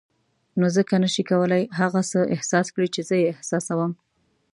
نو ځکه نه شې کولای هغه څه احساس کړې چې زه یې احساسوم.